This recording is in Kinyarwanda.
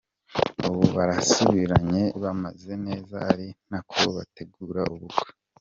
ubu barasubiranye bameze neza ari nako bategura ubukwe.